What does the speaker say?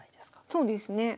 そうですね。